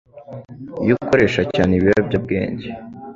iyo ukoresha cyane ibiyobyabwenge